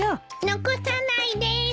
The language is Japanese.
残さないでーす。